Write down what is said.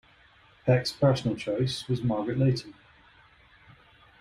Peck's personal choice was Margaret Leighton.